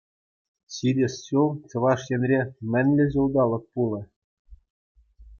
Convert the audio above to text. Ҫитес ҫул Чӑваш Енре мӗнле ҫулталӑк пулӗ?